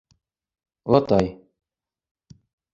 Олатай.